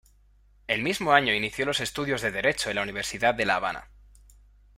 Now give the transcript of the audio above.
El mismo año inició los estudios de Derecho en la Universidad de La Habana.